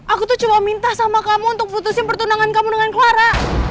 aku tuh cuma minta sama kamu untuk putusin pertunangan kamu dengan clara